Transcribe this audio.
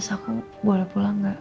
terus aku boleh pulang gak